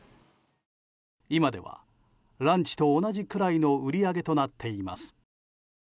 今では、ランチと同じくらいの売り上げとなっています。